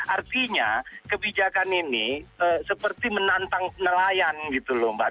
artinya kebijakan ini seperti menantang nelayan gitu loh mbak